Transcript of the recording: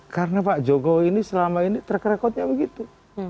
karena pak jokowi ini selama ini track recordnya begitu